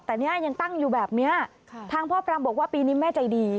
แต่เนี่ยยังตั้งอยู่แบบนี้ทางพ่อปรามบอกว่าปีนี้แม่ใจดี